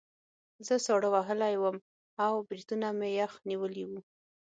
زه ساړه وهلی وم او بریتونه مې یخ نیولي وو